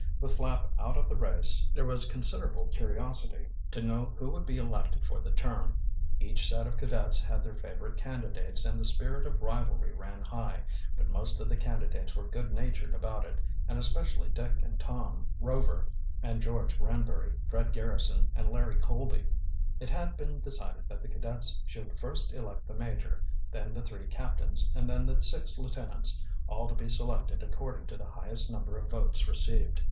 With Flapp out of the race there was considerable curiosity to know who would be elected for the term. Each set of cadets had their favorite candidates and the spirit of rivalry ran high. But most of the candidates were good natured about it, and especially Dick and Tom Rover and George Granbury, Fred Garrison, and Larry Colby. It had been decided that the cadets should first elect the major, then the three captains, and then the six lieutenants, all to be selected according to the highest number of votes received.